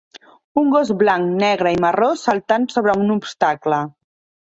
Un gos blanc, negre i marró saltant sobre un obstacle.